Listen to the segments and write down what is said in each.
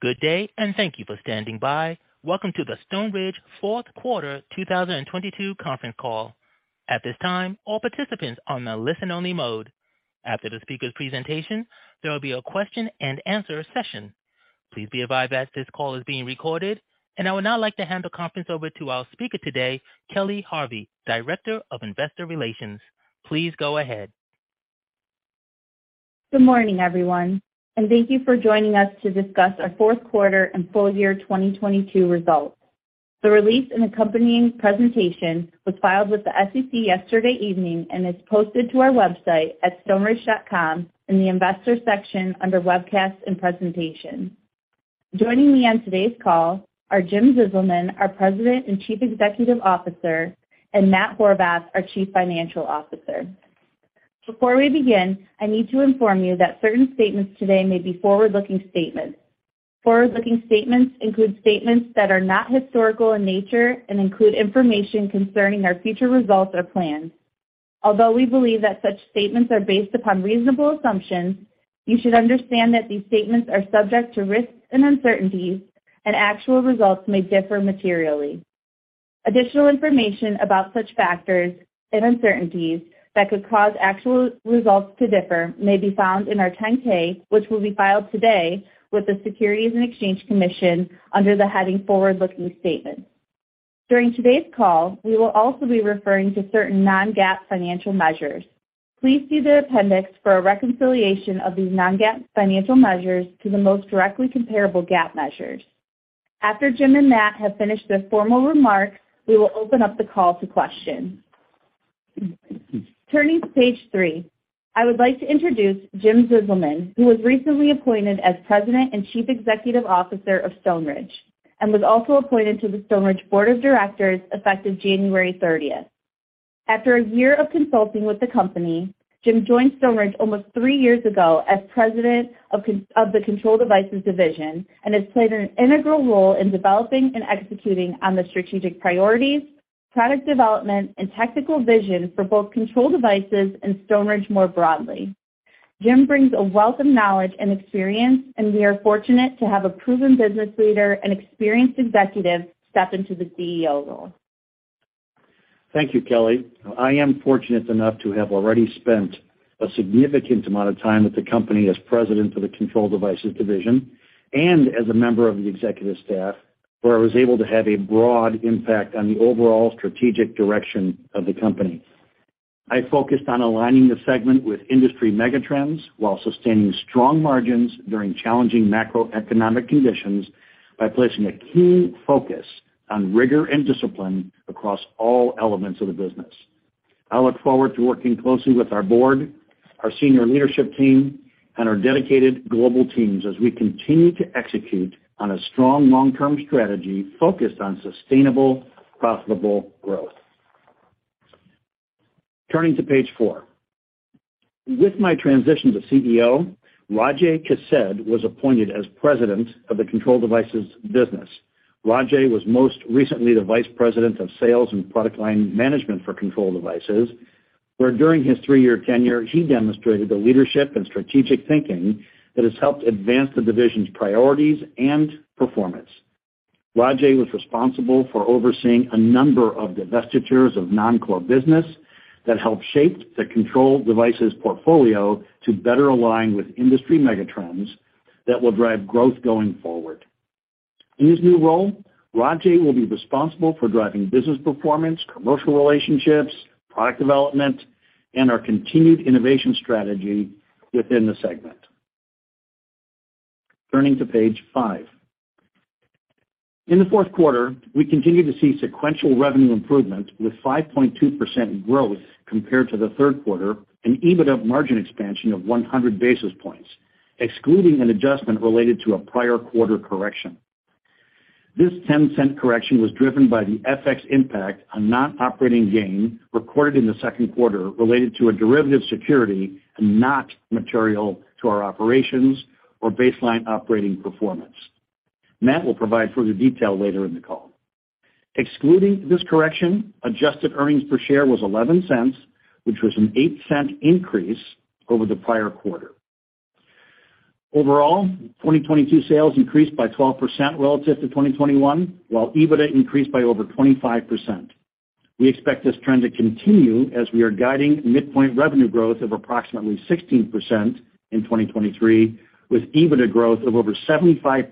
Good day. Thank you for standing by. Welcome to the Stoneridge Fourth Quarter 2022 Conference call. At this time, all participants are on a listen only mode. After the speaker's presentation, there will be a question and answer session. Please be advised that this call is being recorded. I would now like to hand the conference over to our speaker today, Kelly Harvey, Director of Investor Relations. Please go ahead. Good morning, everyone, and thank you for joining us to discuss our fourth quarter and full year 2022 results. The release and accompanying presentation was filed with the SEC yesterday evening and is posted to our website at stoneridge.com in the investor section under Webcasts and Presentation. Joining me on today's call are Jim Zizelman, our President and Chief Executive Officer, and Matt Horvath, our Chief Financial Officer. Before we begin, I need to inform you that certain statements today may be forward-looking statements. Forward-looking statements include statements that are not historical in nature and include information concerning our future results or plans. Although we believe that such statements are based upon reasonable assumptions, you should understand that these statements are subject to risks and uncertainties, and actual results may differ materially. Additional information about such factors and uncertainties that could cause actual results to differ may be found in our 10-K, which will be filed today with the Securities and Exchange Commission under the heading Forward-Looking Statements. During today's call, we will also be referring to certain non-GAAP financial measures. Please see the appendix for a reconciliation of these non-GAAP financial measures to the most directly comparable GAAP measures. After Jim and Matt have finished their formal remarks, we will open up the call to questions. Turning to page three. I would like to introduce Jim Zizelman, who was recently appointed as President and Chief Executive Officer of Stoneridge, and was also appointed to the Stoneridge Board of Directors effective January 30th. After a year of consulting with the company, Jim joined Stoneridge almost three years ago as President of the Control Devices division and has played an integral role in developing and executing on the strategic priorities, product development and technical vision for both Control Devices and Stoneridge more broadly. Jim brings a wealth of knowledge and experience, and we are fortunate to have a proven business leader and experienced executive step into the CEO role. Thank you, Kelly. I am fortunate enough to have already spent a significant amount of time with the company as president of the Control Devices division and as a member of the executive staff, where I was able to have a broad impact on the overall strategic direction of the company. I focused on aligning the segment with industry mega trends while sustaining strong margins during challenging macroeconomic conditions by placing a key focus on rigor and discipline across all elements of the business. I look forward to working closely with our board, our senior leadership team, and our dedicated global teams as we continue to execute on a strong long-term strategy focused on sustainable, profitable growth. Turning to page 4. With my transition to CEO, Rajaey Kased was appointed as president of the Control Devices business. Rajaey was most recently the vice president of sales and product line management for Control Devices, where during his three-year tenure, he demonstrated the leadership and strategic thinking that has helped advance the division's priorities and performance. Rajaey was responsible for overseeing a number of divestitures of non-core business that helped shape the Control Devices portfolio to better align with industry mega trends that will drive growth going forward. In his new role, Rajaey will be responsible for driving business performance, commercial relationships, product development, and our continued innovation strategy within the segment. Turning to page five. In the fourth quarter, we continued to see sequential revenue improvement with 5.2% growth compared to the third quarter and EBITDA margin expansion of 100 basis points, excluding an adjustment related to a prior quarter correction. This $0.10 correction was driven by the FX impact on non-operating gain recorded in the second quarter related to a derivative security and not material to our operations or baseline operating performance. Matt will provide further detail later in the call. Excluding this correction, adjusted earnings per share was $0.11, which was an $0.08 increase over the prior quarter. Overall, 2022 sales increased by 12% relative to 2021, while EBITDA increased by over 25%. We expect this trend to continue as we are guiding midpoint revenue growth of approximately 16% in 2023, with EBITDA growth of over 75%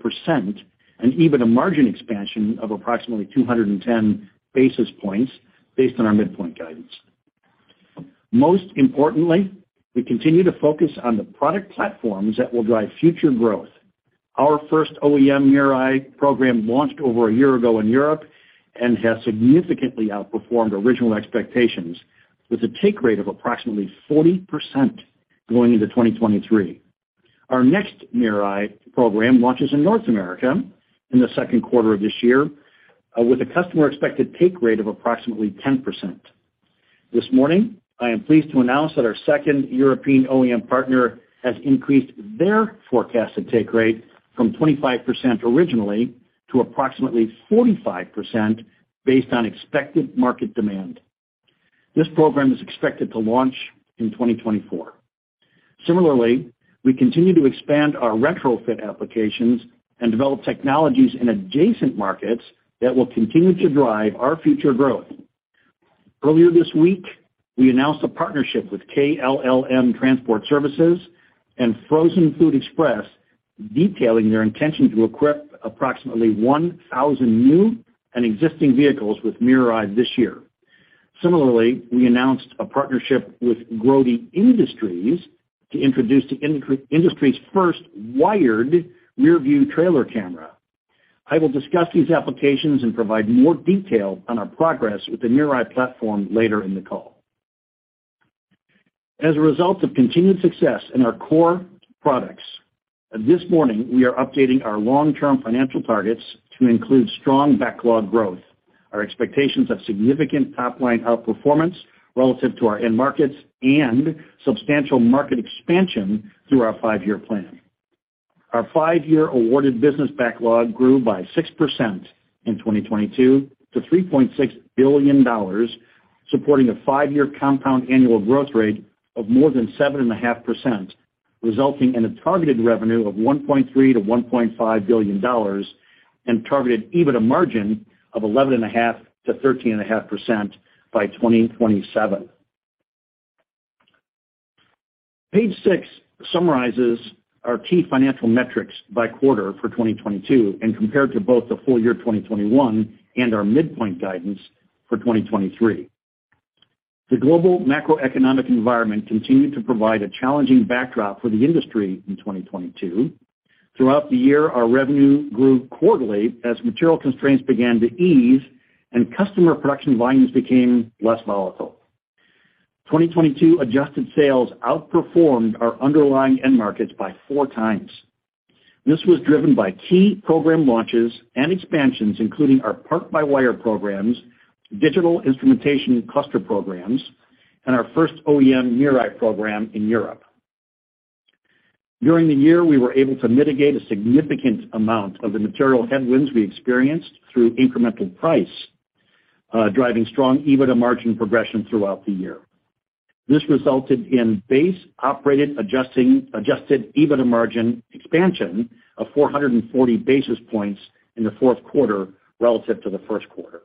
and EBITDA margin expansion of approximately 210 basis points based on our midpoint guidance. Most importantly, we continue to focus on the product platforms that will drive future growth. Our first OEM MirrorEye program launched over a year ago in Europe and has significantly outperformed original expectations with a take rate of approximately 40% going into 2023. Our next MirrorEye program launches in North America in the second quarter of this year with a customer expected take rate of approximately 10%. This morning, I am pleased to announce that our second European OEM partner has increased their forecasted take rate from 25% originally to approximately 45% based on expected market demand. This program is expected to launch in 2024. Similarly, we continue to expand our retrofit applications and develop technologies in adjacent markets that will continue to drive our future growth. Earlier this week, we announced a partnership with KLLM Transport Services and Frozen Food Express, detailing their intention to equip approximately 1,000 new and existing vehicles with MirrorEye this year. Similarly, we announced a partnership with Grote Industries to introduce the industry's first wired rearview trailer camera. I will discuss these applications and provide more detail on our progress with the MirrorEye platform later in the call. As a result of continued success in our core products, this morning, we are updating our long-term financial targets to include strong backlog growth, our expectations of significant top-line outperformance relative to our end markets, and substantial market expansion through our five-year plan. Our five-year awarded business backlog grew by 6% in 2022 to $3.6 billion, supporting a five-year compound annual growth rate of more than 7.5%, resulting in a targeted revenue of $1.3 billion-$1.5 billion and targeted EBITDA margin of 11.5%-13.5% by 2027. Page 6 summarizes our key financial metrics by quarter for 2022 and compared to both the full year 2021 and our midpoint guidance for 2023. The global macroeconomic environment continued to provide a challenging backdrop for the industry in 2022. Throughout the year, our revenue grew quarterly as material constraints began to ease and customer production volumes became less volatile. 2022 adjusted sales outperformed our underlying end markets by 4 times. This was driven by key program launches and expansions, including our park by wire programs, digital instrumentation cluster programs, and our first OEM MirrorEye program in Europe. During the year, we were able to mitigate a significant amount of the material headwinds we experienced through incremental price, driving strong EBITDA margin progression throughout the year. This resulted in base operating adjusted EBITDA margin expansion of 440 basis points in the fourth quarter relative to the first quarter.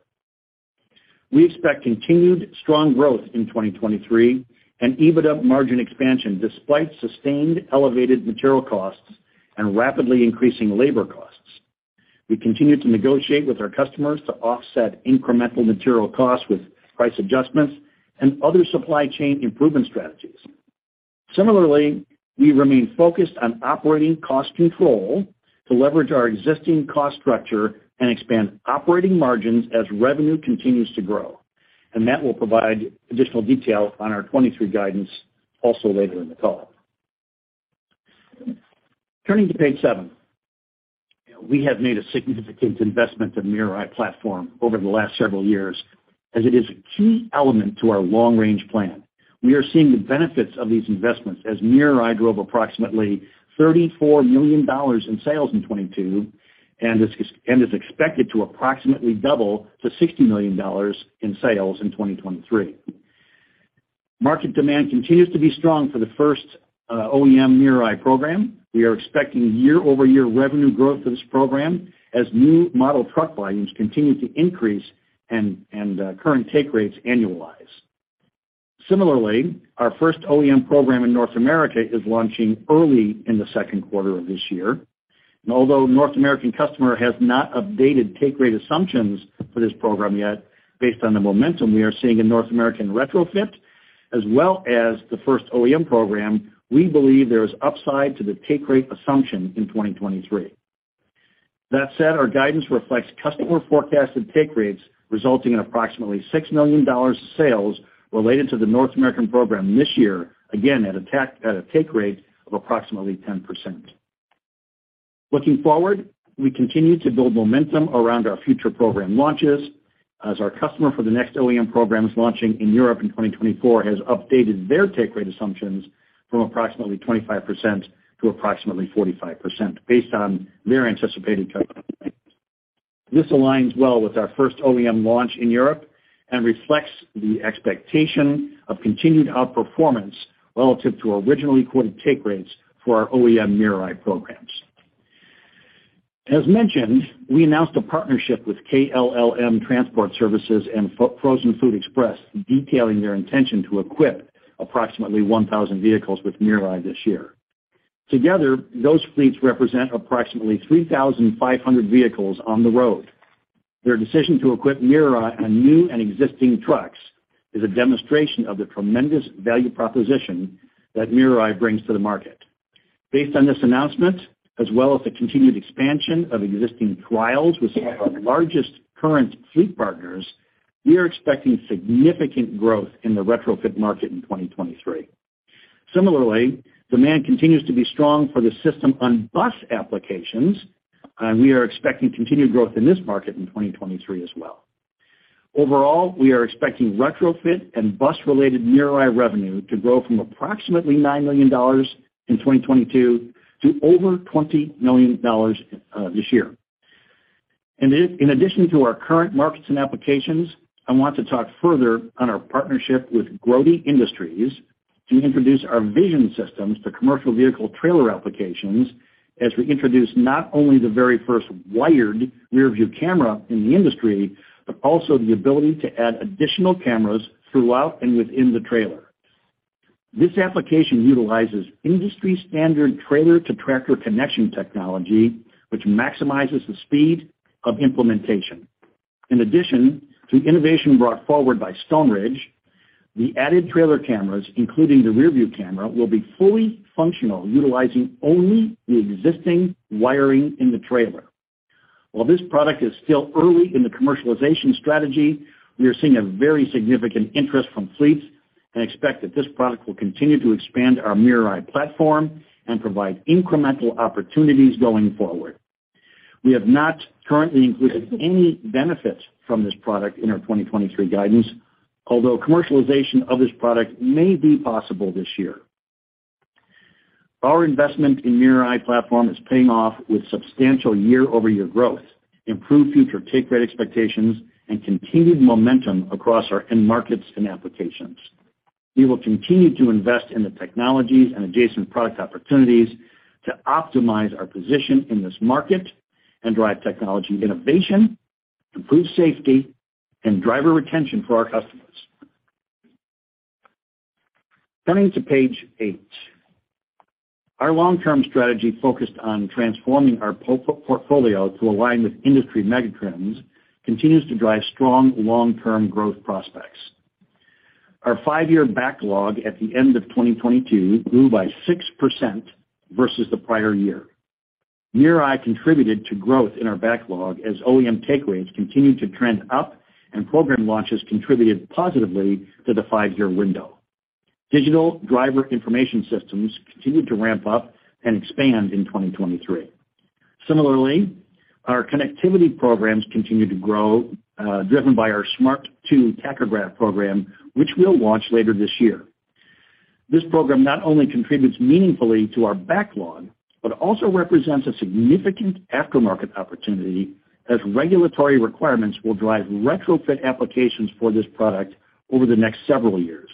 We expect continued strong growth in 2023 and EBITDA margin expansion despite sustained elevated material costs and rapidly increasing labor costs. We continue to negotiate with our customers to offset incremental material costs with price adjustments and other supply chain improvement strategies. Similarly, we remain focused on operating cost control to leverage our existing cost structure and expand operating margins as revenue continues to grow, and Matt will provide additional detail on our 23 guidance also later in the call. Turning to page 7. We have made a significant investment in MirrorEye platform over the last several years as it is a key element to our long-range plan. We are seeing the benefits of these investments as MirrorEye drove approximately $34 million in sales in 2022 and is expected to approximately double to $60 million in sales in 2023. Market demand continues to be strong for the first OEM MirrorEye program. We are expecting year-over-year revenue growth for this program as new model truck volumes continue to increase and current take rates annualize. Similarly, our first OEM program in North America is launching early in the second quarter of this year. Although North American customer has not updated take rate assumptions for this program yet, based on the momentum we are seeing in North American retrofit, as well as the first OEM program, we believe there is upside to the take rate assumption in 2023. That said, our guidance reflects customer forecasted take rates resulting in approximately $6 million of sales related to the North American program this year, again at a take rate of approximately 10%. Looking forward, we continue to build momentum around our future program launches as our customer for the next OEM programs launching in Europe in 2024 has updated their take rate assumptions from approximately 25% to approximately 45% based on their anticipated. This aligns well with our first OEM launch in Europe and reflects the expectation of continued outperformance relative to originally quoted take rates for our OEM MirrorEye programs. As mentioned, we announced a partnership with KLLM Transport Services and Frozen Food Express, detailing their intention to equip approximately 1,000 vehicles with MirrorEye this year. Together, those fleets represent approximately 3,500 vehicles on the road. Their decision to equip MirrorEye on new and existing trucks is a demonstration of the tremendous value proposition that MirrorEye brings to the market. Based on this announcement, as well as the continued expansion of existing trials with some of our largest current fleet partners, we are expecting significant growth in the retrofit market in 2023. Similarly, demand continues to be strong for the system on bus applications, and we are expecting continued growth in this market in 2023 as well. Overall, we are expecting retrofit and bus-related MirrorEye revenue to grow from approximately $9 million in 2022 to over $20 million this year. In addition to our current markets and applications, I want to talk further on our partnership with Grote Industries to introduce our vision systems to commercial vehicle trailer applications as we introduce not only the very first wired rear view camera in the industry, but also the ability to add additional cameras throughout and within the trailer. This application utilizes industry-standard trailer to tractor connection technology, which maximizes the speed of implementation. In addition to innovation brought forward by Stoneridge, the added trailer cameras, including the rearview camera, will be fully functional, utilizing only the existing wiring in the trailer. While this product is still early in the commercialization strategy, we are seeing a very significant interest from fleets and expect that this product will continue to expand our MirrorEye platform and provide incremental opportunities going forward. We have not currently included any benefits from this product in our 2023 guidance, although commercialization of this product may be possible this year. Our investment in MirrorEye platform is paying off with substantial year-over-year growth, improved future take rate expectations, and continued momentum across our end markets and applications. We will continue to invest in the technologies and adjacent product opportunities to optimize our position in this market and drive technology innovation, improve safety and driver retention for our customers. Turning to page 8. Our long-term strategy focused on transforming our portfolio to align with industry megatrends, continues to drive strong long-term growth prospects. Our five-year backlog at the end of 2022 grew by 6% versus the prior year. MirrorEye contributed to growth in our backlog as OEM take rates continued to trend up and program launches contributed positively to the five-year window. Digital driver information systems continued to ramp up and expand in 2023. Similarly, our connectivity programs continued to grow, driven by our Smart 2 tachograph program, which we'll launch later this year. This program not only contributes meaningfully to our backlog, but also represents a significant aftermarket opportunity as regulatory requirements will drive retrofit applications for this product over the next several years.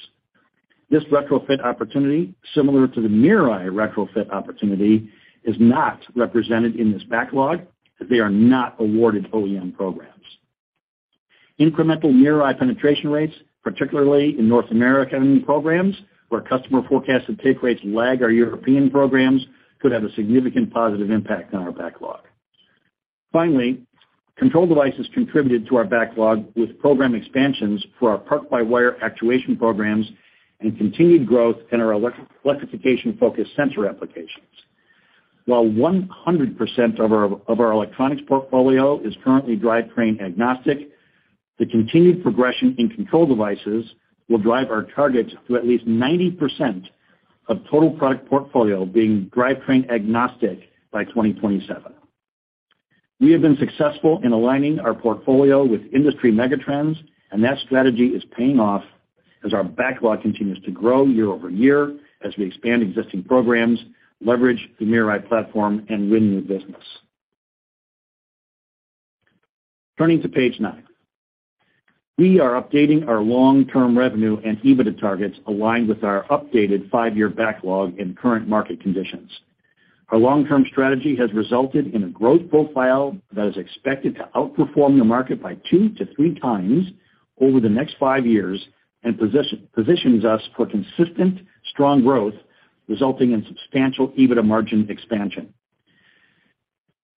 This retrofit opportunity, similar to the MirrorEye retrofit opportunity, is not represented in this backlog as they are not awarded OEM programs. Incremental MirrorEye penetration rates, particularly in North American programs where customer forecasted take rates lag our European programs, could have a significant positive impact on our backlog. Control Devices contributed to our backlog with program expansions for our park-by-wire actuation programs and continued growth in our electrification-focused sensor applications. While 100% of our electronics portfolio is currently drivetrain agnostic, the continued progression in Control Devices will drive our targets to at least 90% of total product portfolio being drivetrain agnostic by 2027. We have been successful in aligning our portfolio with industry megatrends, and that strategy is paying off as our backlog continues to grow year-over-year as we expand existing programs, leverage the MirrorEye platform, and win new business. Turning to page 9. We are updating our long-term revenue and EBITDA targets aligned with our updated five-year backlog in current market conditions. Our long-term strategy has resulted in a growth profile that is expected to outperform the market by two to three times over the next five years and positions us for consistent strong growth, resulting in substantial EBITDA margin expansion.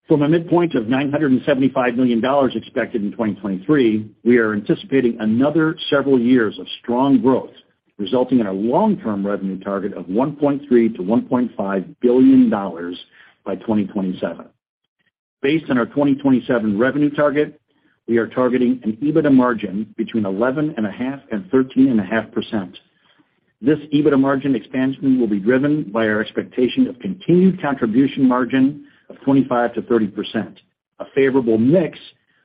From a midpoint of $975 million expected in 2023, we are anticipating another several years of strong growth, resulting in a long-term revenue target of $1.3 billion-$1.5 billion by 2027. Based on our 2027 revenue target, we are targeting an EBITDA margin between 11.5% and 13.5%. This EBITDA margin expansion will be driven by our expectation of continued contribution margin of 25%-30%, a favorable mix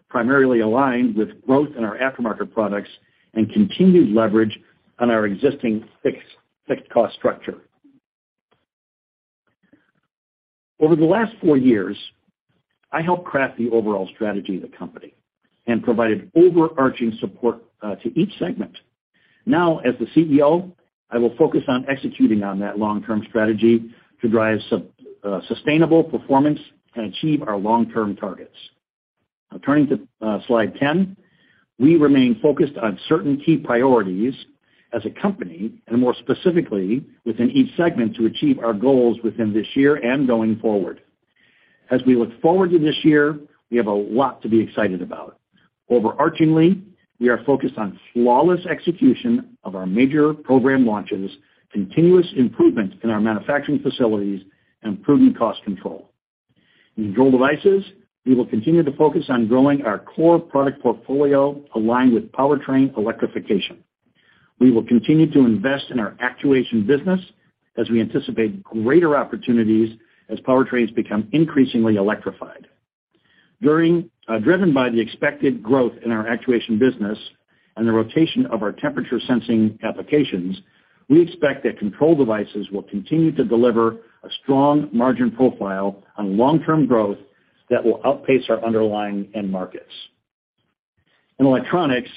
primarily aligned with growth in our aftermarket products and continued leverage on our existing fixed cost structure. Over the last four years, I helped craft the overall strategy of the company and provided overarching support to each segment. Now, as the CEO, I will focus on executing on that long-term strategy to drive sustainable performance and achieve our long-term targets. Turning to slide 10. We remain focused on certain key priorities as a company and more specifically within each segment to achieve our goals within this year and going forward. We look forward to this year, we have a lot to be excited about. Overarchingly, we are focused on flawless execution of our major program launches, continuous improvement in our manufacturing facilities, and improving cost control. In Control Devices, we will continue to focus on growing our core product portfolio aligned with powertrain electrification. We will continue to invest in our actuation business as we anticipate greater opportunities as powertrains become increasingly electrified. Driven by the expected growth in our actuation business and the rotation of our temperature sensing applications, we expect that Control Devices will continue to deliver a strong margin profile on long-term growth that will outpace our underlying end markets. In Electronics,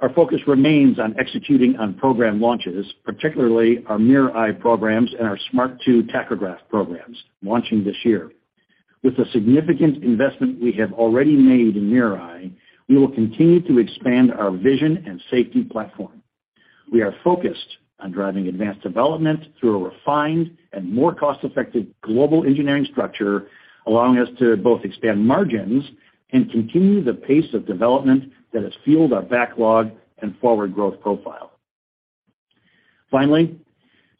our focus remains on executing on program launches, particularly our MirrorEye programs and our Smart 2 tachograph programs launching this year. With the significant investment we have already made in MirrorEye, we will continue to expand our vision and safety platform. We are focused on driving advanced development through a refined and more cost-effective global engineering structure, allowing us to both expand margins and continue the pace of development that has fueled our backlog and forward growth profile.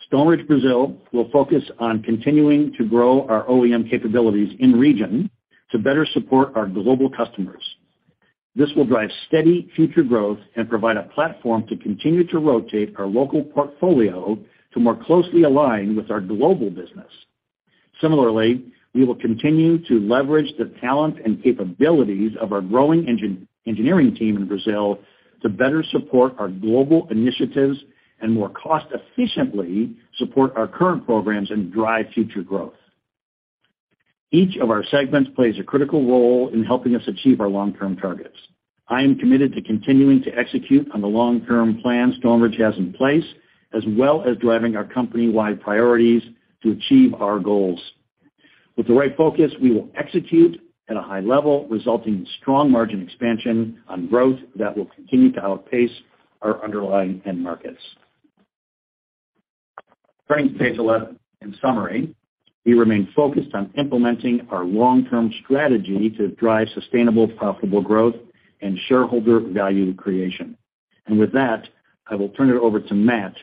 Stoneridge Brazil will focus on continuing to grow our OEM capabilities in region to better support our global customers. This will drive steady future growth and provide a platform to continue to rotate our local portfolio to more closely align with our global business. We will continue to leverage the talent and capabilities of our growing engineering team in Brazil to better support our global initiatives and more cost efficiently support our current programs and drive future growth. Each of our segments plays a critical role in helping us achieve our long-term targets. I am committed to continuing to execute on the long-term plan Stoneridge has in place, as well as driving our company-wide priorities to achieve our goals. With the right focus, we will execute at a high level, resulting in strong margin expansion on growth that will continue to outpace our underlying end markets. Turning to page 11, in summary, we remain focused on implementing our long-term strategy to drive sustainable, profitable growth and shareholder value creation. With that, I will turn it over to Matt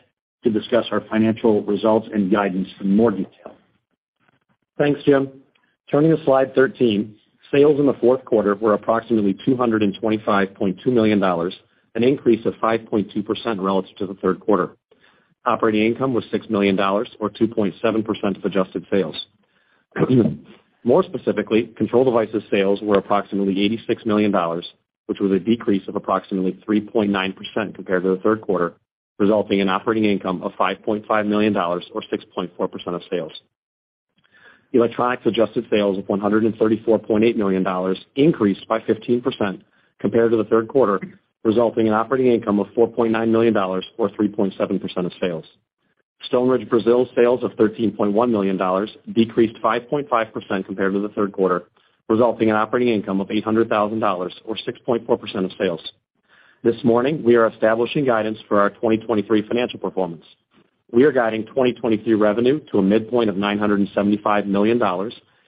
to discuss our financial results and guidance in more detail. Thanks, Jim. Turning to slide 13, sales in the fourth quarter were approximately $225.2 million, an increase of 5.2% relative to the third quarter. Operating income was $6 million or 2.7% of adjusted sales. More specifically, Control Devices sales were approximately $86 million, which was a decrease of approximately 3.9% compared to the third quarter, resulting in operating income of $5.5 million or 6.4% of sales. Electronics adjusted sales of $134.8 million increased by 15% compared to the third quarter, resulting in operating income of $4.9 million or 3.7% of sales. Stoneridge Brazil's sales of $13.1 million decreased 5.5% compared to the third quarter, resulting in operating income of $800,000 or 6.4% of sales. This morning, we are establishing guidance for our 2023 financial performance. We are guiding 2023 revenue to a midpoint of $975 million,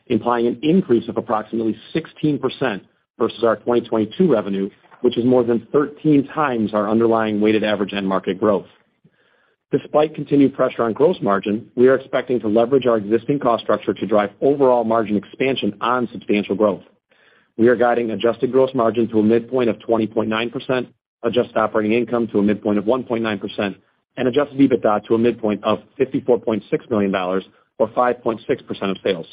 implying an increase of approximately 16% versus our 2022 revenue, which is more than 13 times our underlying weighted average end market growth. Despite continued pressure on gross margin, we are expecting to leverage our existing cost structure to drive overall margin expansion on substantial growth. We are guiding adjusted gross margin to a midpoint of 20.9%, adjusted operating income to a midpoint of 1.9%, and adjusted EBITDA to a midpoint of $54.6 million or 5.6% of sales.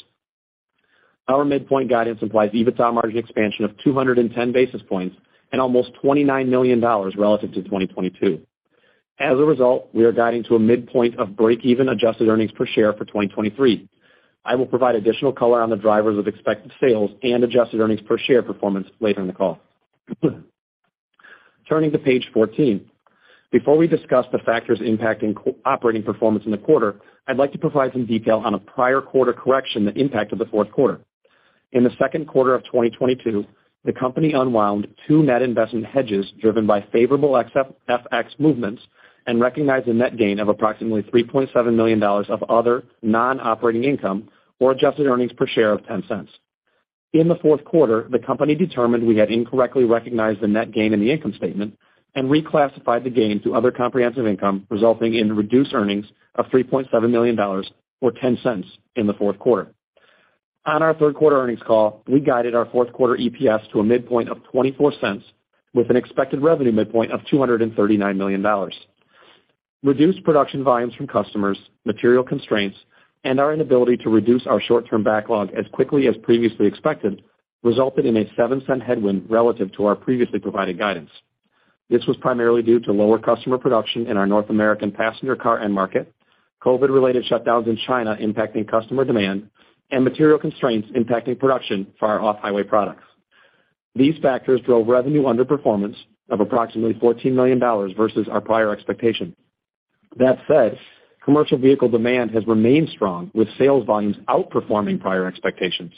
Our midpoint guidance implies EBITDA margin expansion of 210 basis points and almost $29 million relative to 2022. As a result, we are guiding to a midpoint of break-even adjusted earnings per share for 2023. I will provide additional color on the drivers of expected sales and adjusted earnings per share performance later in the call. Turning to page 14. Before we discuss the factors impacting operating performance in the quarter, I'd like to provide some detail on a prior quarter correction that impacted the fourth quarter. In the second quarter of 2022, the company unwound two net investment hedges driven by favorable ex-FX movements and recognized a net gain of approximately $3.7 million of other non-operating income or adjusted earnings per share of $0.10. In the fourth quarter, the company determined we had incorrectly recognized the net gain in the income statement and reclassified the gain to other comprehensive income, resulting in reduced earnings of $3.7 million or $0.10 in the fourth quarter. On our third quarter earnings call, we guided our fourth quarter EPS to a midpoint of $0.24 with an expected revenue midpoint of $239 million. Reduced production volumes from customers, material constraints, and our inability to reduce our short-term backlog as quickly as previously expected resulted in a $0.07 headwind relative to our previously provided guidance. This was primarily due to lower customer production in our North American passenger car end market, COVID-related shutdowns in China impacting customer demand, and material constraints impacting production for our off-highway products. These factors drove revenue underperformance of approximately $14 million versus our prior expectation. That said, commercial vehicle demand has remained strong, with sales volumes outperforming prior expectations.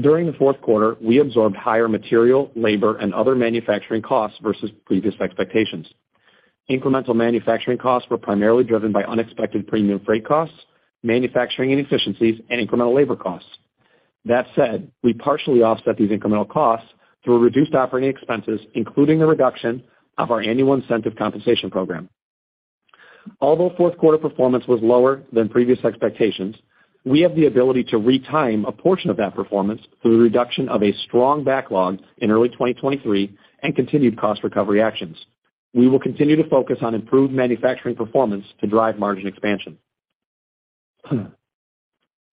During the fourth quarter, we absorbed higher material, labor, and other manufacturing costs versus previous expectations. Incremental manufacturing costs were primarily driven by unexpected premium freight costs, manufacturing inefficiencies, and incremental labor costs. That said, we partially offset these incremental costs through reduced operating expenses, including the reduction of our annual incentive compensation program. Although fourth quarter performance was lower than previous expectations, we have the ability to retime a portion of that performance through the reduction of a strong backlog in early 2023 and continued cost recovery actions. We will continue to focus on improved manufacturing performance to drive margin expansion.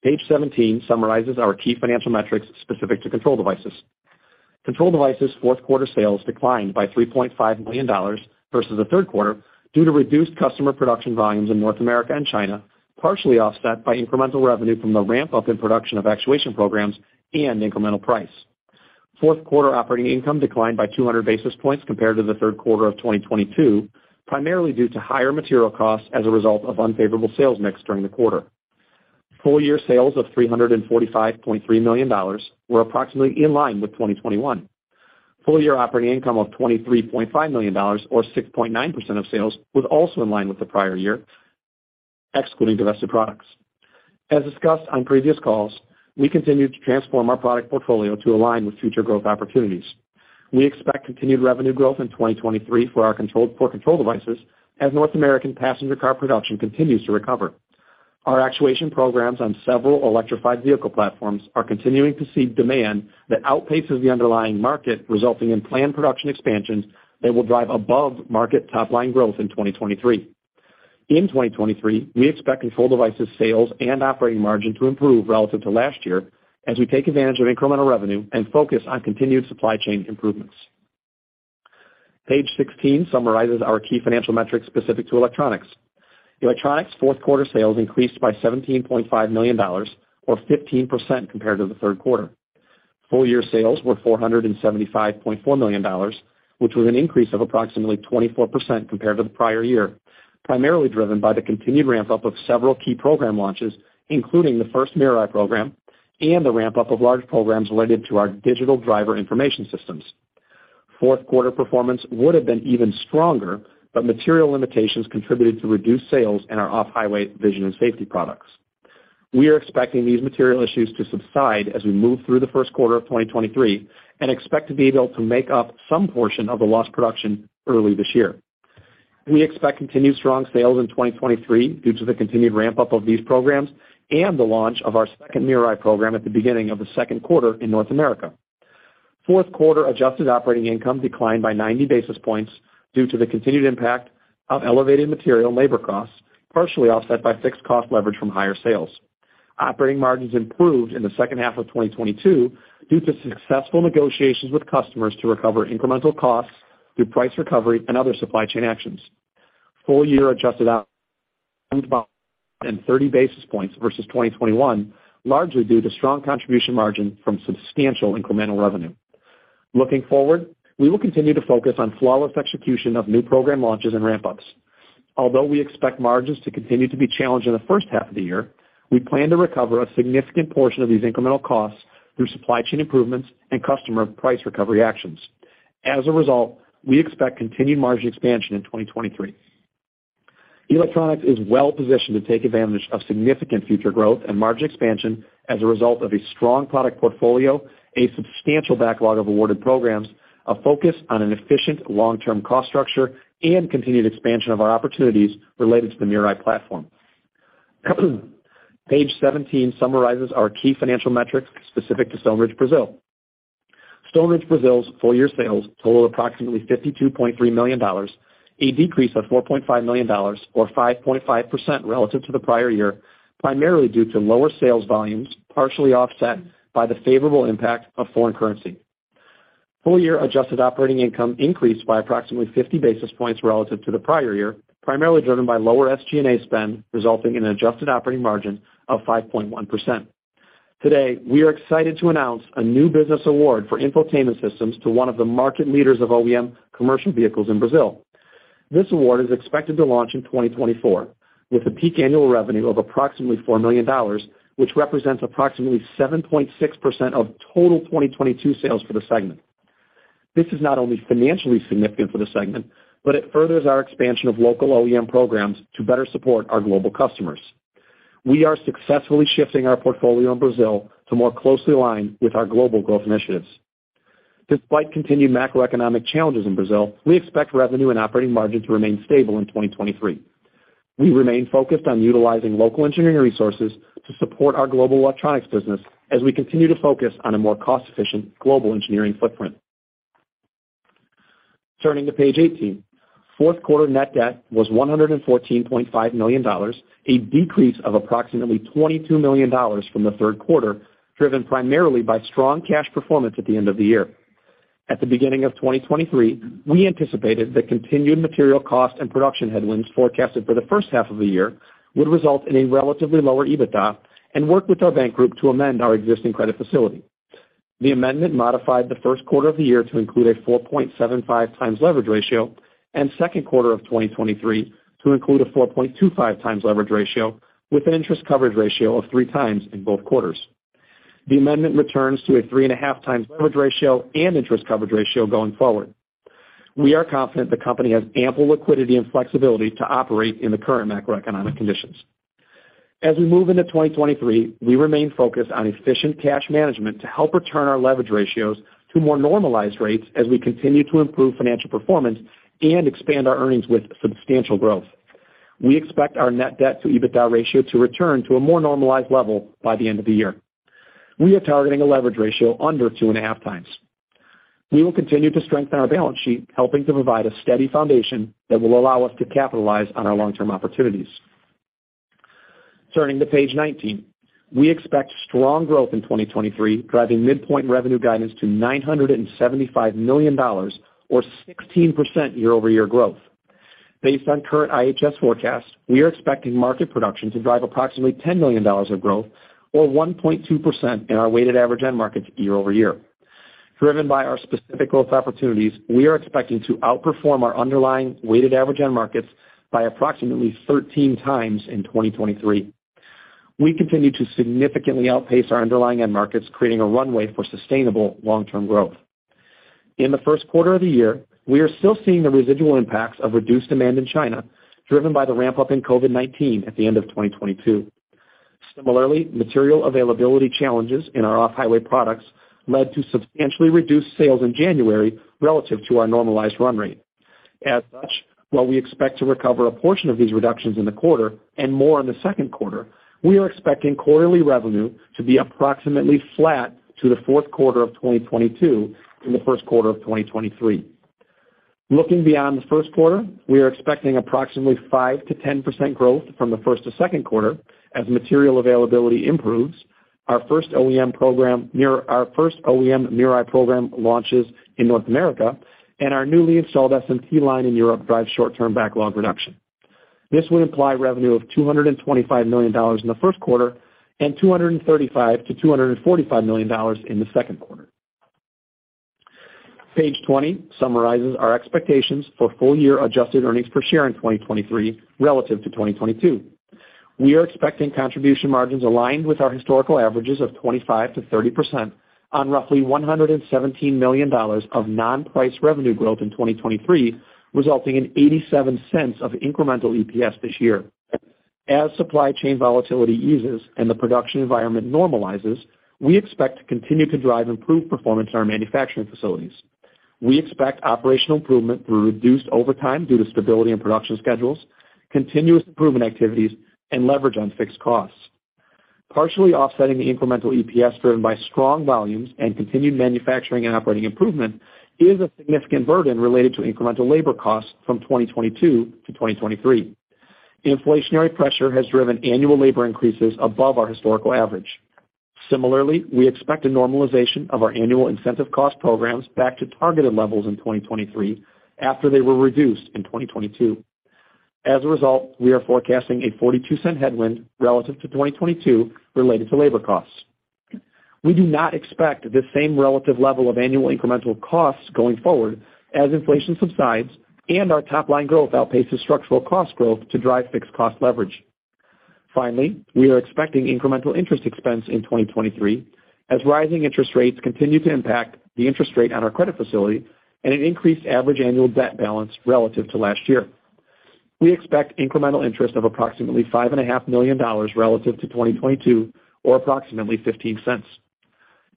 Page 17 summarizes our key financial metrics specific to Control Devices. Control Devices fourth quarter sales declined by $3.5 million versus the third quarter due to reduced customer production volumes in North America and China, partially offset by incremental revenue from the ramp-up in production of actuation programs and incremental price. Fourth quarter operating income declined by 200 basis points compared to the third quarter of 2022, primarily due to higher material costs as a result of unfavorable sales mix during the quarter. Full year sales of $345.3 million were approximately in line with 2021. Full year operating income of $23.5 million or 6.9% of sales was also in line with the prior year, excluding divested products. As discussed on previous calls, we continue to transform our product portfolio to align with future growth opportunities. We expect continued revenue growth in 2023 for our Control Devices as North American passenger car production continues to recover. Our actuation programs on several electrified vehicle platforms are continuing to see demand that outpaces the underlying market, resulting in planned production expansions that will drive above-market top line growth in 2023. In 2023, we expect Control Devices sales and operating margin to improve relative to last year as we take advantage of incremental revenue and focus on continued supply chain improvements. Page 16 summarizes our key financial metrics specific to electronics. Electronics fourth quarter sales increased by $17.5 million or 15% compared to the third quarter. Full year sales were $475.4 million, which was an increase of approximately 24% compared to the prior year, primarily driven by the continued ramp-up of several key program launches, including the first MirrorEye program and the ramp-up of large programs related to our digital driver information systems. Fourth quarter performance would have been even stronger, but material limitations contributed to reduced sales in our off-highway vision and safety products. We are expecting these material issues to subside as we move through the first quarter of 2023 and expect to be able to make up some portion of the lost production early this year. We expect continued strong sales in 2023 due to the continued ramp-up of these programs and the launch of our second MirrorEye program at the beginning of the second quarter in North America. Fourth quarter adjusted operating income declined by 90 basis points due to the continued impact of elevated material and labor costs, partially offset by fixed cost leverage from higher sales. Operating margins improved in the second half of 2022 due to successful negotiations with customers to recover incremental costs through price recovery and other supply chain actions. Full year adjusted out and 30 basis points versus 2021, largely due to strong contribution margin from substantial incremental revenue. Looking forward, we will continue to focus on flawless execution of new program launches and ramp-ups. Although we expect margins to continue to be challenged in the first half of the year, we plan to recover a significant portion of these incremental costs through supply chain improvements and customer price recovery actions. As a result, we expect continued margin expansion in 2023. Electronics is well positioned to take advantage of significant future growth and margin expansion as a result of a strong product portfolio, a substantial backlog of awarded programs, a focus on an efficient long-term cost structure, and continued expansion of our opportunities related to the MirrorEye platform. Page 17 summarizes our key financial metrics specific to Stoneridge Brazil. Stoneridge Brazil's full year sales total approximately $52.3 million, a decrease of $4.5 million or 5.5% relative to the prior year, primarily due to lower sales volumes, partially offset by the favorable impact of foreign currency. Full year adjusted operating income increased by approximately 50 basis points relative to the prior year, primarily driven by lower SG&A spend, resulting in an adjusted operating margin of 5.1%. Today, we are excited to announce a new business award for infotainment systems to one of the market leaders of OEM commercial vehicles in Brazil. This award is expected to launch in 2024, with a peak annual revenue of approximately $4 million, which represents approximately 7.6% of total 2022 sales for the segment. This is not only financially significant for the segment, it furthers our expansion of local OEM programs to better support our global customers. We are successfully shifting our portfolio in Brazil to more closely align with our global growth initiatives. Despite continued macroeconomic challenges in Brazil, we expect revenue and operating margin to remain stable in 2023. We remain focused on utilizing local engineering resources to support our global electronics business as we continue to focus on a more cost-efficient global engineering footprint. Turning to page 18. Fourth quarter net debt was $114.5 million, a decrease of approximately $22 million from the third quarter, driven primarily by strong cash performance at the end of the year. At the beginning of 2023, we anticipated that continued material cost and production headwinds forecasted for the first half of the year would result in a relatively lower EBITDA and work with our bank group to amend our existing credit facility. The amendment modified the first quarter of the year to include a 4.75x leverage ratio and second quarter of 2023 to include a 4.25x leverage ratio with an interest coverage ratio of 3 times in both quarters. The amendment returns to a 3.5x leverage ratio and interest coverage ratio going forward. We are confident the company has ample liquidity and flexibility to operate in the current macroeconomic conditions. As we move into 2023, we remain focused on efficient cash management to help return our leverage ratios to more normalized rates as we continue to improve financial performance and expand our earnings with substantial growth. We expect our net debt to EBITDA ratio to return to a more normalized level by the end of the year. We are targeting a leverage ratio under 2.5 times. We will continue to strengthen our balance sheet, helping to provide a steady foundation that will allow us to capitalize on our long-term opportunities. Turning to page 19. We expect strong growth in 2023, driving midpoint revenue guidance to $975 million or 16% year-over-year growth. Based on current IHS forecasts, we are expecting market production to drive approximately $10 million of growth or 1.2% in our weighted average end markets year-over-year. Driven by our specific growth opportunities, we are expecting to outperform our underlying weighted average end markets by approximately 13 times in 2023. We continue to significantly outpace our underlying end markets, creating a runway for sustainable long-term growth. In the first quarter of the year, we are still seeing the residual impacts of reduced demand in China, driven by the ramp-up in COVID-19 at the end of 2022. Similarly, material availability challenges in our off-highway products led to substantially reduced sales in January relative to our normalized run rate. As such, while we expect to recover a portion of these reductions in the quarter and more in the second quarter, we are expecting quarterly revenue to be approximately flat to the fourth quarter of 2022 in the first quarter of 2023. Looking beyond the first quarter, we are expecting approximately 5%-10% growth from the first to second quarter as material availability improves, our first OEM MirrorEye program launches in North America and our newly installed SMT line in Europe drives short-term backlog reduction. This would imply revenue of $225 million in the first quarter and $235 million-$245 million in the second quarter. Page 20 summarizes our expectations for full-year adjusted earnings per share in 2023 relative to 2022. We are expecting contribution margins aligned with our historical averages of 25%-30% on roughly $117 million of non-price revenue growth in 2023, resulting in $0.87 of incremental EPS this year. As supply chain volatility eases and the production environment normalizes, we expect to continue to drive improved performance in our manufacturing facilities. We expect operational improvement through reduced overtime due to stability in production schedules, continuous improvement activities, and leverage on fixed costs. Partially offsetting the incremental EPS driven by strong volumes and continued manufacturing and operating improvement is a significant burden related to incremental labor costs from 2022 to 2023. Inflationary pressure has driven annual labor increases above our historical average. Similarly, we expect a normalization of our annual incentive cost programs back to targeted levels in 2023 after they were reduced in 2022. As a result, we are forecasting a $0.42 headwind relative to 2022 related to labor costs. We do not expect this same relative level of annual incremental costs going forward as inflation subsides and our top-line growth outpaces structural cost growth to drive fixed cost leverage. Finally, we are expecting incremental interest expense in 2023 as rising interest rates continue to impact the interest rate on our credit facility and an increased average annual debt balance relative to last year. We expect incremental interest of approximately $5.5 million relative to 2022 or approximately $0.15.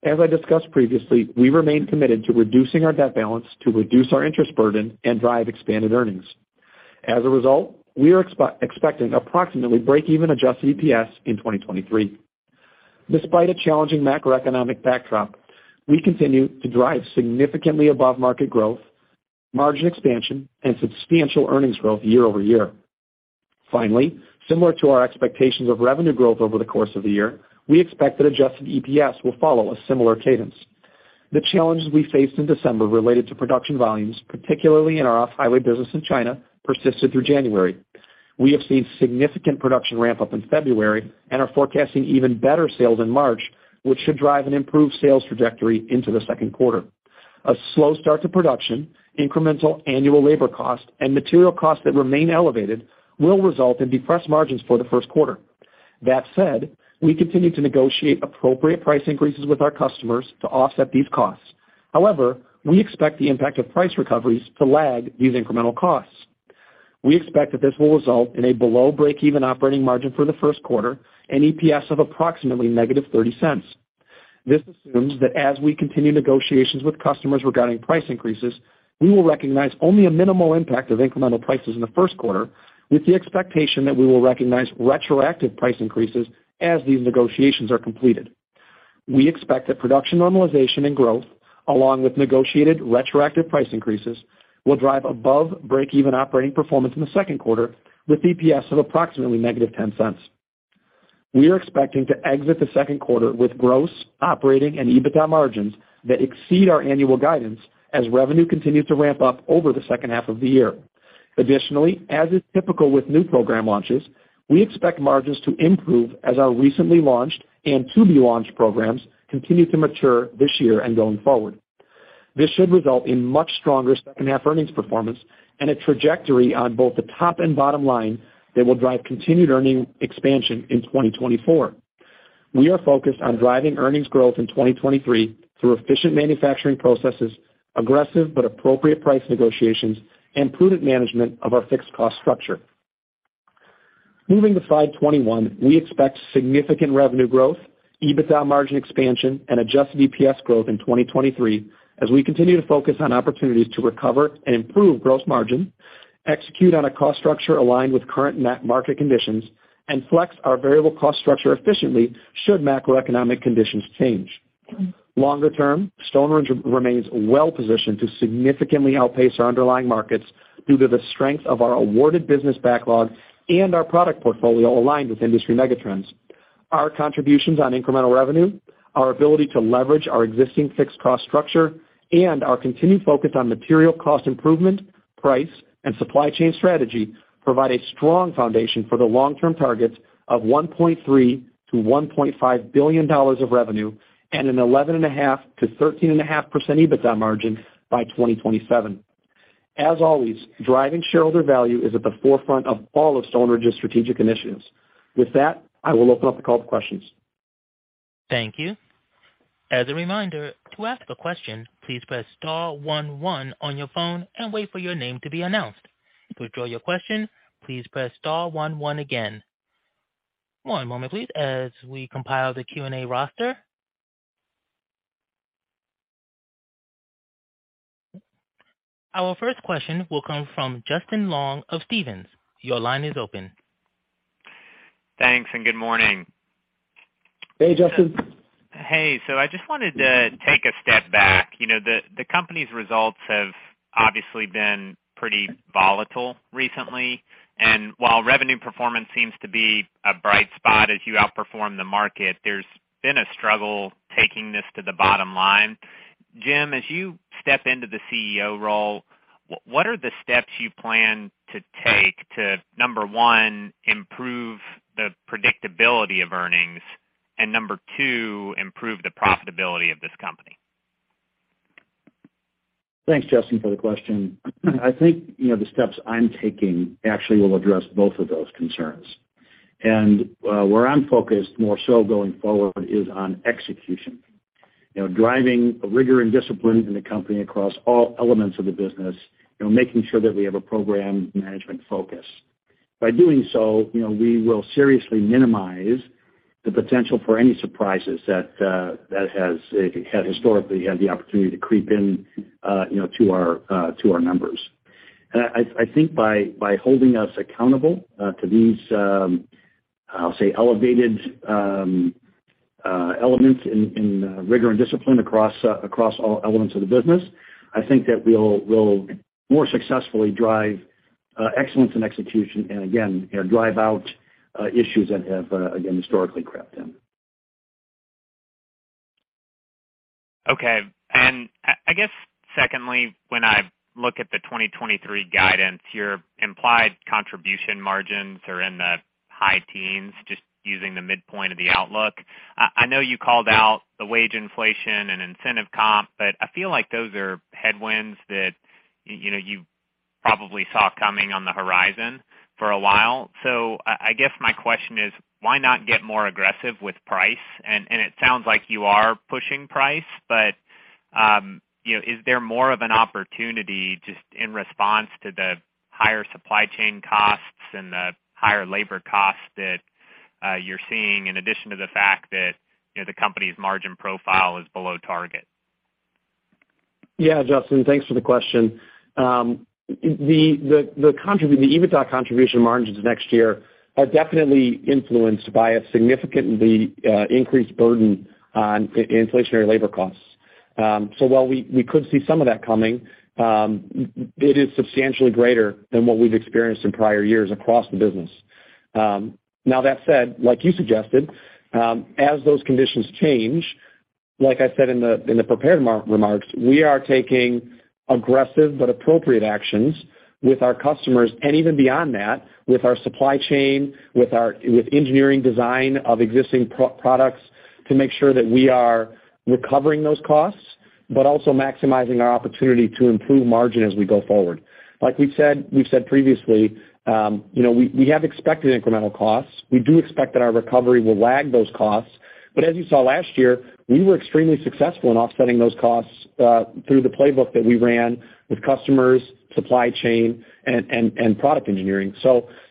As I discussed previously, we remain committed to reducing our debt balance to reduce our interest burden and drive expanded earnings. As a result, we are expecting approximately break-even adjusted EPS in 2023. Despite a challenging macroeconomic backdrop, we continue to drive significantly above-market growth, margin expansion, and substantial earnings growth year-over-year. Similar to our expectations of revenue growth over the course of the year, we expect that adjusted EPS will follow a similar cadence. The challenges we faced in December related to production volumes, particularly in our off-highway business in China, persisted through January. We have seen significant production ramp-up in February and are forecasting even better sales in March, which should drive an improved sales trajectory into the second quarter. A slow start to production, incremental annual labor cost, and material costs that remain elevated will result in depressed margins for the first quarter. That said, we continue to negotiate appropriate price increases with our customers to offset these costs. We expect the impact of price recoveries to lag these incremental costs. We expect that this will result in a below break-even operating margin for the first quarter and EPS of approximately -$0.30. This assumes that as we continue negotiations with customers regarding price increases, we will recognize only a minimal impact of incremental prices in the first quarter, with the expectation that we will recognize retroactive price increases as these negotiations are completed. We expect that production normalization and growth, along with negotiated retroactive price increases, will drive above break-even operating performance in the second quarter with EPS of approximately -$0.10. We are expecting to exit the second quarter with gross operating and EBITDA margins that exceed our annual guidance as revenue continues to ramp up over the second half of the year. Additionally, as is typical with new program launches, we expect margins to improve as our recently launched and to-be-launched programs continue to mature this year and going forward. This should result in much stronger second-half earnings performance and a trajectory on both the top and bottom line that will drive continued earning expansion in 2024. We are focused on driving earnings growth in 2023 through efficient manufacturing processes, aggressive but appropriate price negotiations, and prudent management of our fixed cost structure. Moving to slide 21. We expect significant revenue growth, EBITDA margin expansion, and adjusted EPS growth in 2023 as we continue to focus on opportunities to recover and improve gross margin, execute on a cost structure aligned with current market conditions, and flex our variable cost structure efficiently should macroeconomic conditions change. Longer term, Stoneridge remains well positioned to significantly outpace our underlying markets due to the strength of our awarded business backlog and our product portfolio aligned with industry megatrends. Our contributions on incremental revenue, our ability to leverage our existing fixed cost structure, and our continued focus on material cost improvement, price, and supply chain strategy provide a strong foundation for the long-term targets of $1.3 billion-$1.5 billion of revenue and an 11.5%-13.5% EBITDA margin by 2027. As always, driving shareholder value is at the forefront of all of Stoneridge's strategic initiatives. With that, I will open up the call to questions. Thank you. As a reminder, to ask a question, please press star one one on your phone and wait for your name to be announced. To withdraw your question, please press star one one again. One moment please as we compile the Q&A roster. Our first question will come from Justin Long of Stephens. Your line is open. Thanks and good morning. Hey, Justin. Hey. I just wanted to take a step back. You know, the company's results have obviously been pretty volatile recently, and while revenue performance seems to be a bright spot as you outperform the market, there's been a struggle taking this to the bottom line. Jim, as you step into the CEO role, what are the steps you plan to take to, number one, improve the predictability of earnings, and number two, improve the profitability of this company? Thanks, Justin, for the question. I think, you know, the steps I'm taking actually will address both of those concerns. Where I'm focused more so going forward is on execution. You know, driving rigor and discipline in the company across all elements of the business, you know, making sure that we have a program management focus. By doing so, you know, we will seriously minimize the potential for any surprises that has historically had the opportunity to creep in, you know, to our numbers. I think by holding us accountable to these, I'll say elevated, elements in rigor and discipline across all elements of the business, I think that we'll more successfully drive excellence in execution and again, drive out issues that have again historically crept in. Okay. I guess secondly, when I look at the 2023 guidance, your implied contribution margins are in the high teens, just using the midpoint of the outlook. I know you called out the wage inflation and incentive comp. I feel like those are headwinds that you know, you probably saw coming on the horizon for a while. I guess my question is, why not get more aggressive with price? It sounds like you are pushing price, but, you know, is there more of an opportunity just in response to the higher supply chain costs and the higher labor costs that you're seeing in addition to the fact that, you know, the company's margin profile is below target? Justin, thanks for the question. The contribution, the EBITDA contribution margins next year are definitely influenced by a significantly increased burden on inflationary labor costs. While we could see some of that coming, it is substantially greater than what we've experienced in prior years across the business. Now that said, like you suggested, as those conditions change, like I said in the prepared remarks, we are taking aggressive but appropriate actions with our customers, and even beyond that, with our supply chain, with engineering design of existing products to make sure that we are recovering those costs, but also maximizing our opportunity to improve margin as we go forward. Like we've said previously, you know, we have expected incremental costs. We do expect that our recovery will lag those costs. As you saw last year, we were extremely successful in offsetting those costs, through the playbook that we ran with customers, supply chain, and product engineering.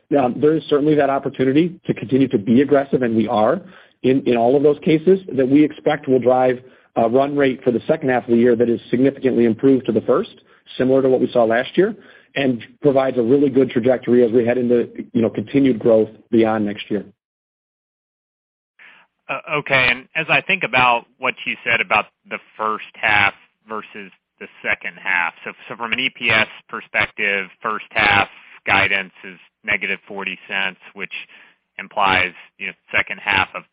There is certainly that opportunity to continue to be aggressive, and we are in all of those cases that we expect will drive a run rate for the second half of the year that is significantly improved to the first, similar to what we saw last year, and provides a really good trajectory as we head into, you know, continued growth beyond next year. Okay. As I think about what you said about the first half versus the second half. From an EPS perspective, first half guidance is -$0.40, which implies, you know, second half of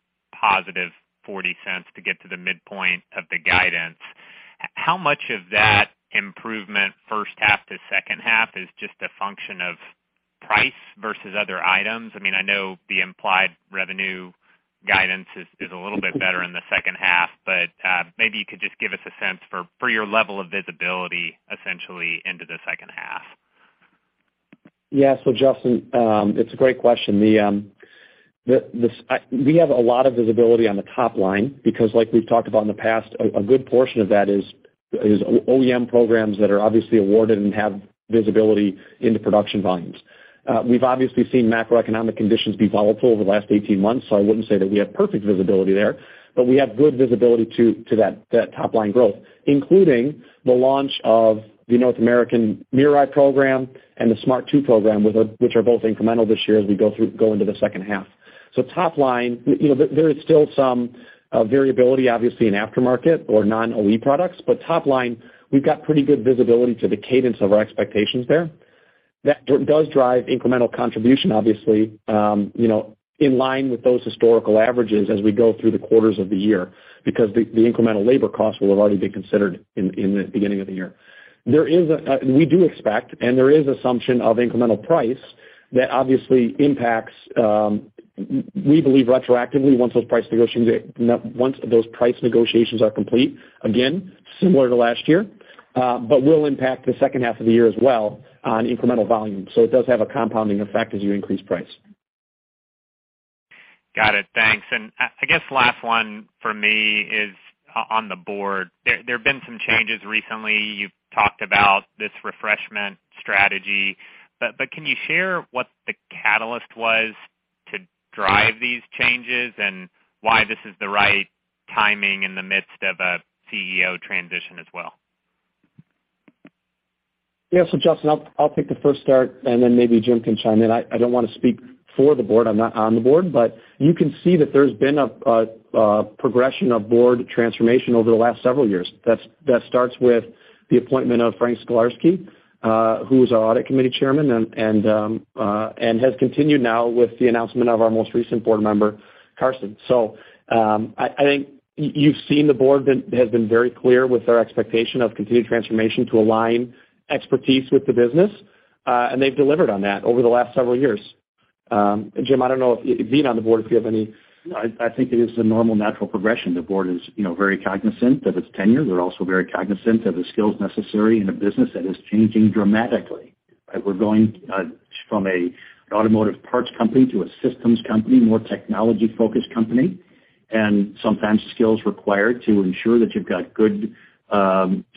+$0.40 to get to the midpoint of the guidance. How much of that improvement first half to second half is just a function of price versus other items? I mean, I know the implied revenue guidance is a little bit better in the second half, but maybe you could just give us a sense for your level of visibility essentially into the second half. Yeah. Justin, it's a great question. The We have a lot of visibility on the top line because like we've talked about in the past, a good portion of that is OEM programs that are obviously awarded and have visibility into production volumes. We've obviously seen macroeconomic conditions be volatile over the last 18 months, I wouldn't say that we have perfect visibility there, but we have good visibility to that top line growth, including the launch of the North American MirrorEye program and the Smart 2 program, which are both incremental this year as we go into the second half. Top line, you know, there is still some variability obviously in aftermarket or non-OE products. Top line, we've got pretty good visibility to the cadence of our expectations there. That does drive incremental contribution, obviously, you know, in line with those historical averages as we go through the quarters of the year, because the incremental labor costs will have already been considered in the beginning of the year. There is, we do expect, and there is assumption of incremental price that obviously impacts, we believe retroactively once those price negotiations are complete, again, similar to last year, but will impact the second half of the year as well on incremental volume. It does have a compounding effect as you increase price. Got it. Thanks. I guess last one for me is on the board. There have been some changes recently. You've talked about this refreshment strategy, but can you share what the catalyst was to drive these changes and why this is the right timing in the midst of a CEO transition as well? Justin, I'll take the first start, and then maybe Jim can chime in. I don't wanna speak for the Board, I'm not on the Board, but you can see that there's been a progression of Board transformation over the last several years. That's that starts with the appointment of Frank Sklarsky, who is our Audit Committee Chairman and has continued now with the announcement of our most recent Board member, Carsten. I think you've seen the Board has been very clear with their expectation of continued transformation to align expertise with the business, and they've delivered on that over the last several years. Jim, I don't know if, being on the Board, if you have any... I think it is a normal, natural progression. The board is, you know, very cognizant of its tenure. They're also very cognizant of the skills necessary in a business that is changing dramatically. We're going from a automotive parts company to a systems company, more technology-focused company, and sometimes skills required to ensure that you've got good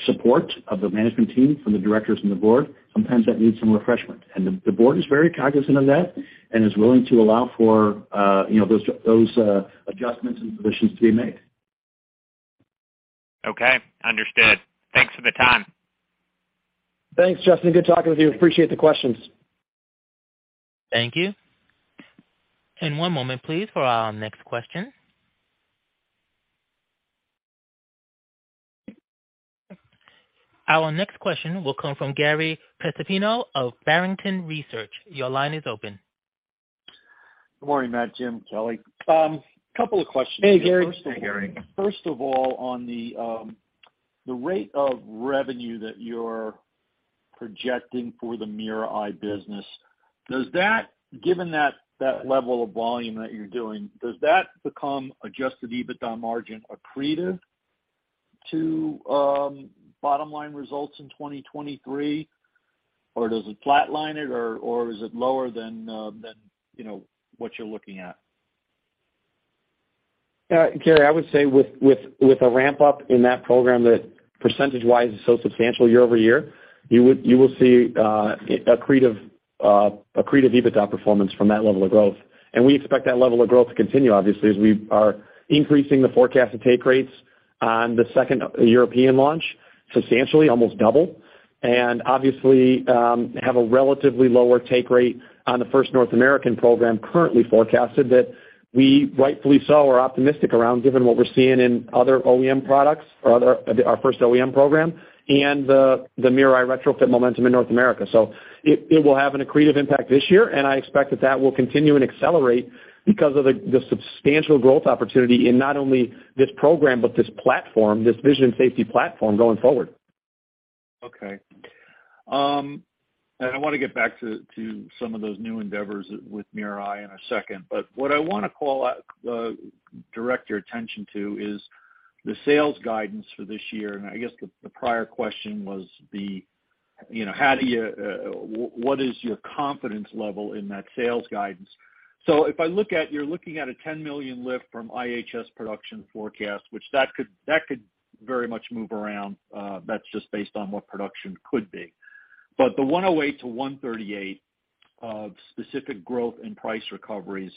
support of the management team from the directors and the board, sometimes that needs some refreshment. The board is very cognizant of that and is willing to allow for, you know, those adjustments and positions to be made. Okay. Understood. Thanks for the time. Thanks, Justin. Good talking with you. Appreciate the questions. Thank you. One moment please for our next question. Our next question will come from Gary Prestopino of Barrington Research. Your line is open. Good morning, Matt, Jim, Kelly. Couple of questions. Hey, Gary. First Hey, Gary. First of all, on the rate of revenue that you're projecting for the MirrorEye business, does that, given that level of volume that you're doing, does that become adjusted EBITDA margin accretive to bottom line results in 2023? Or does it flatline it, or is it lower than, you know, what you're looking at? Gary, I would say with a ramp-up in that program that percentage-wise is so substantial year-over-year, you will see accretive EBITDA performance from that level of growth. And we expect that level of growth to continue, obviously, as we are increasing the forecasted take rates on the second European launch substantially, almost double. And obviously, have a relatively lower take rate on the first North American program currently forecasted that we rightfully so are optimistic around given what we're seeing in other OEM products or our first OEM program and the MirrorEye retrofit momentum in North America. It will have an accretive impact this year, and I expect that that will continue and accelerate because of the substantial growth opportunity in not only this program, but this platform, this vision safety platform going forward. Okay. I wanna get back to some of those new endeavors with MirrorEye in a second. What I wanna call out, direct your attention to is the sales guidance for this year. I guess the prior question was the, you know, what is your confidence level in that sales guidance? If I look at, you're looking at a $10 million lift from IHS production forecast, which that could very much move around. That's just based on what production could be. The $108 million-$138 million of specific growth and price recoveries,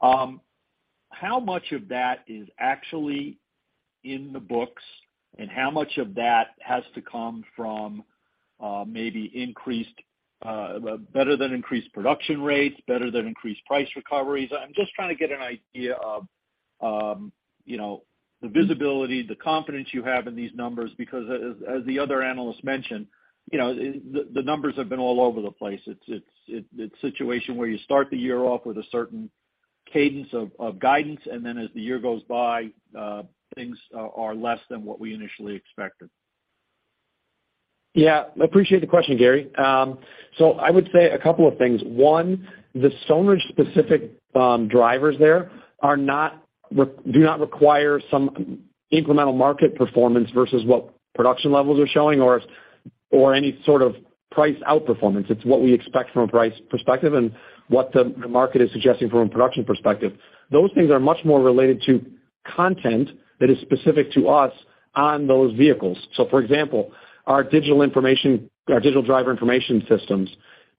how much of that is actually in the books and how much of that has to come from, maybe increased, better than increased production rates, better than increased price recoveries? I'm just trying to get an idea of, you know, the visibility, the confidence you have in these numbers, because as the other analysts mentioned, you know, the numbers have been all over the place. It's a situation where you start the year off with a certain cadence of guidance, and then as the year goes by, things are less than what we initially expected. Appreciate the question, Gary. I would say a couple of things. One, the Stoneridge specific drivers there do not require some incremental market performance versus what production levels are showing or any sort of price outperformance. It's what we expect from a price perspective and what the market is suggesting from a production perspective. Those things are much more related to content that is specific to us on those vehicles. For example, our digital driver information systems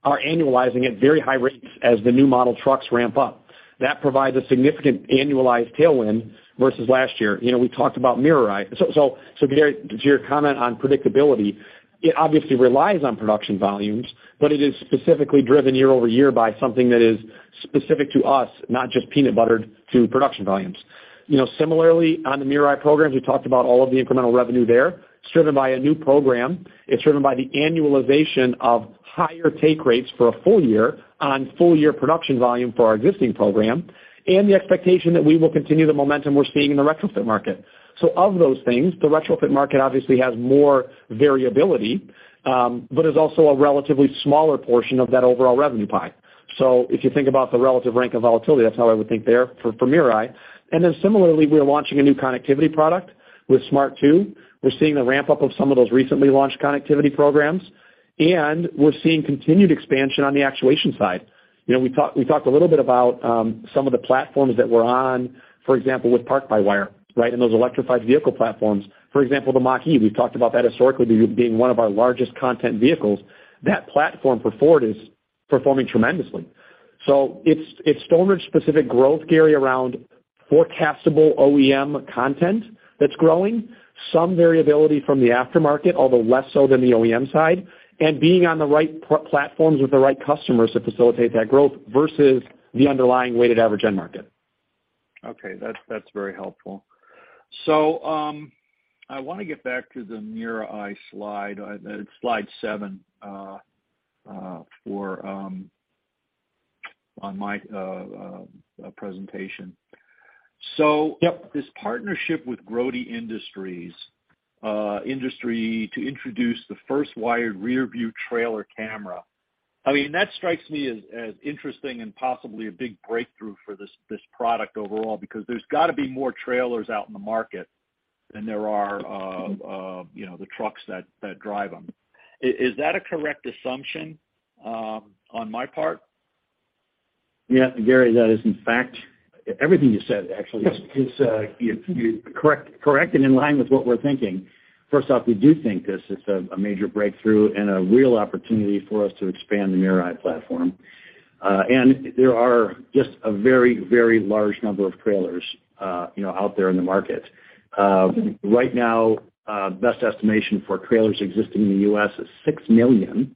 are annualizing at very high rates as the new model trucks ramp up. That provides a significant annualized tailwind versus last year. You know, we talked about MirrorEye. Gary, to your comment on predictability, it obviously relies on production volumes, but it is specifically driven year-over-year by something that is specific to us, not just peanut buttered to production volumes. You know, similarly on the MirrorEye programs, we talked about all of the incremental revenue there. It's driven by a new program. It's driven by the annualization of higher take rates for a full year on full year production volume for our existing program and the expectation that we will continue the momentum we're seeing in the retrofit market. Of those things, the retrofit market obviously has more variability, but is also a relatively smaller portion of that overall revenue pie. If you think about the relative rank of volatility, that's how I would think there for MirrorEye. Similarly, we are launching a new connectivity product with Smart 2. We're seeing the ramp-up of some of those recently launched connectivity programs, and we're seeing continued expansion on the actuation side. You know, we talked a little bit about some of the platforms that we're on, for example, with park-by-wire, right? Those electrified vehicle platforms, for example, the Mach-E, we've talked about that historically being one of our largest content vehicles. That platform for Ford is performing tremendously. So it's Stoneridge specific growth, Gary, around forecastable OEM content that's growing. Some variability from the aftermarket, although less so than the OEM side, and being on the right platforms with the right customers to facilitate that growth versus the underlying weighted average end market. Okay. That's very helpful. I wanna get back to the MirrorEye slide. It's slide 7 for on my presentation. Yep. This partnership with Grote Industries, to introduce the first wired rear view trailer camera. I mean, that strikes me as interesting and possibly a big breakthrough for this product overall, because there's gotta be more trailers out in the market than there are, you know, the trucks that drive them. Is that a correct assumption on my part? Yeah, Gary, that is in fact. Everything you said actually is correct and in line with what we're thinking. First off, we do think this is a major breakthrough and a real opportunity for us to expand the MirrorEye platform. There are just a very large number of trailers, you know, out there in the market. Right now, best estimation for trailers existing in the U.S. is 6 million.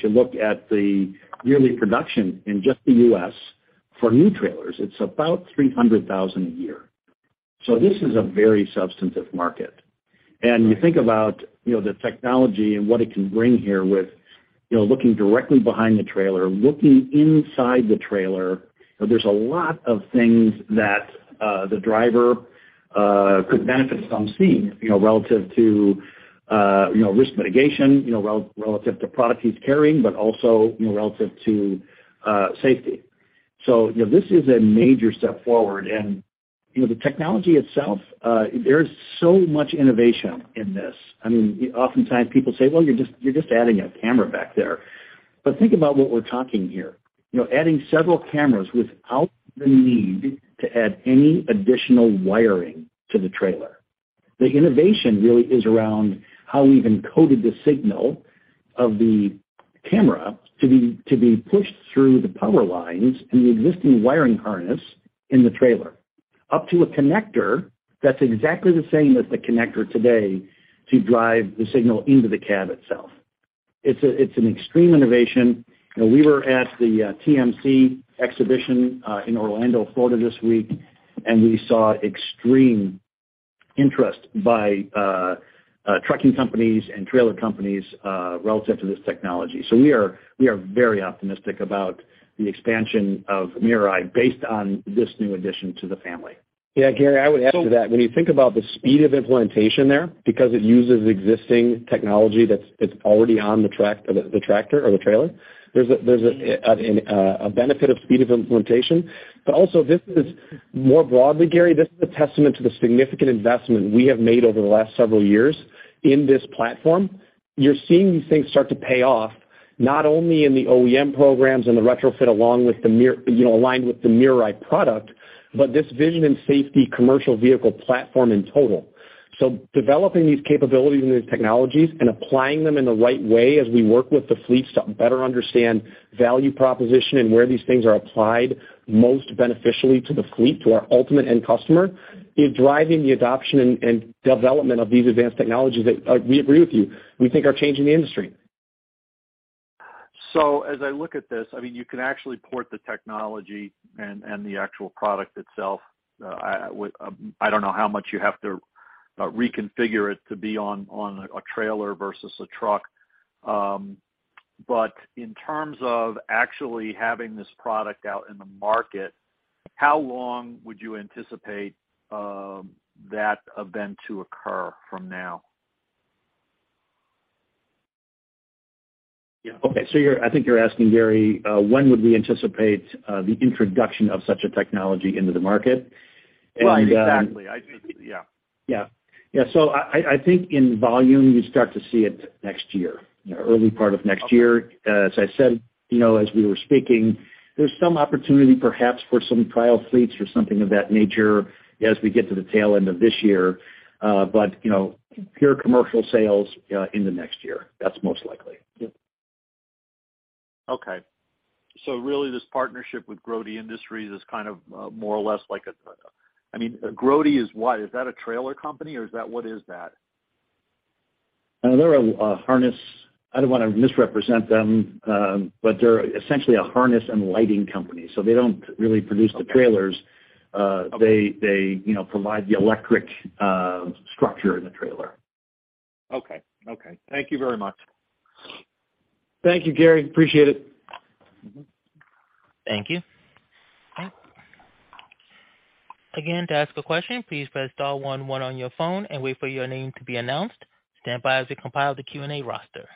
If you look at the yearly production in just the U.S. for new trailers, it's about 300,000 a year. This is a very substantive market. You think about, you know, the technology and what it can bring here with, you know, looking directly behind the trailer, looking inside the trailer. You know, there's a lot of things that the driver could benefit from seeing, you know, relative to, you know, risk mitigation, you know, relative to product he's carrying, but also, you know, relative to safety. This is a major step forward. The technology itself, there is so much innovation in this. I mean, oftentimes people say, "Well, you're just adding a camera back there." Think about what we're talking here. You know, adding several cameras without the need to add any additional wiring to the trailer. The innovation really is around how we've encoded the signal of the camera to be pushed through the power lines and the existing wiring harness in the trailer, up to a connector that's exactly the same as the connector today to drive the signal into the cab itself. It's an extreme innovation. You know, we were at the TMC exhibition in Orlando, Florida this week. We saw extreme interest by trucking companies and trailer companies relative to this technology. We are very optimistic about the expansion of MirrorEye based on this new addition to the family. Yeah, Gary, I would add to that, when you think about the speed of implementation there, because it uses existing technology that's already on the tractor or the trailer. There's a benefit of speed of implementation. This is more broadly, Gary, this is a testament to the significant investment we have made over the last several years in this platform. You're seeing these things start to pay off, not only in the OEM programs and the retrofit, along with the you know, aligned with the MirrorEye product, but this vision and safety commercial vehicle platform in total. Developing these capabilities and these technologies and applying them in the right way as we work with the fleets to better understand value proposition and where these things are applied most beneficially to the fleet, to our ultimate end customer, is driving the adoption and development of these advanced technologies that we agree with you, we think are changing the industry. As I look at this, I mean, you can actually port the technology and the actual product itself. I don't know how much you have to reconfigure it to be on a trailer versus a truck. But in terms of actually having this product out in the market, how long would you anticipate that event to occur from now? Yeah. Okay. I think you're asking, Gary, when would we anticipate the introduction of such a technology into the market? Right, exactly. I think, yeah. Yeah. Yeah, I think in volume, you start to see it next year, early part of next year. As I said, you know, as we were speaking, there's some opportunity perhaps for some trial fleets or something of that nature as we get to the tail end of this year. You know, pure commercial sales in the next year, that's most likely. Okay. Really this partnership with Grote Industries is kind of more or less like a. I mean, Grote is what? Is that a trailer company or what is that? They're a harness. I don't wanna misrepresent them, but they're essentially a harness and lighting company, so they don't really produce the trailers. They, you know, provide the electric structure in the trailer. Okay, okay. Thank you very much. Thank you, Gary. Appreciate it. Thank you. To ask a question, please press star one one on your phone and wait for your name to be announced. Stand by as we compile the Q&A roster.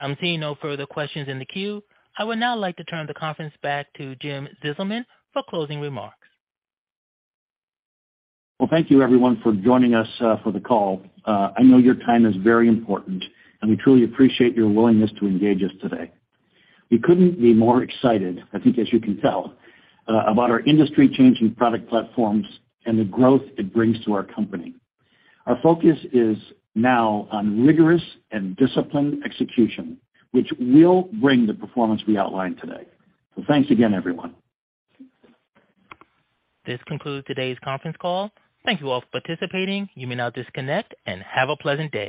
I'm seeing no further questions in the queue. I would now like to turn the conference back to Jim Zizelman for closing remarks. Thank you everyone for joining us for the call. I know your time is very important, and we truly appreciate your willingness to engage us today. We couldn't be more excited, I think as you can tell, about our industry changing product platforms and the growth it brings to our company. Our focus is now on rigorous and disciplined execution, which will bring the performance we outlined today. Thanks again, everyone. This concludes today's conference call. Thank you all for participating. You may now disconnect and have a pleasant day.